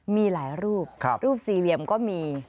มีหลายรูปรูปสี่เหลี่ยมก็มี